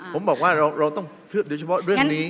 ผมบอกว่าเราต้องเชื่อโดยเฉพาะเรื่องนี้